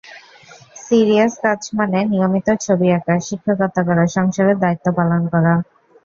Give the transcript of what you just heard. Serious কাজ মানে নিয়মিত ছবি আঁকা, শিক্ষকতা করা, সংসারের দায়িত্ব পালন করা।